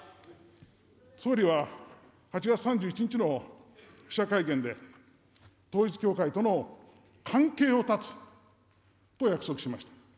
総理は８月３１日の記者会見で、統一教会との関係を断つと約束しました。